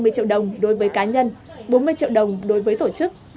hai mươi triệu đồng đối với cá nhân bốn mươi triệu đồng đối với tổ chức